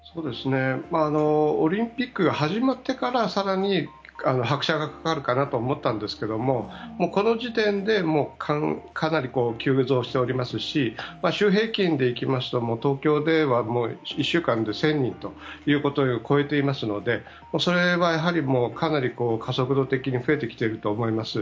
オリンピックが始まってから更に拍車がかかるかなと思ったんですけどもこの時点でかなり急増しておりますし週平均で行きますと東京では１週間で１０００人ということを超えていますのでそれはやはり加速度的に増えてきていると思います。